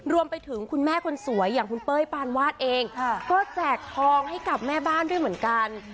รวมไปถึงคุณแม่คนสวยอย่างคุณเป้ยปานวาดเองก็แจกทองให้กับแม่บ้านด้วยเหมือนกัน